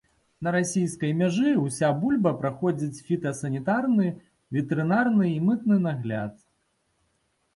На расійскай мяжы ўся бульба праходзіць фітасанітарны, ветэрынарны і мытны нагляд.